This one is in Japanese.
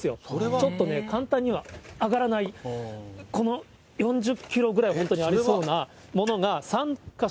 ちょっとね、簡単には上がらない、この４０キロぐらい、本当にありそうなものが、３か所。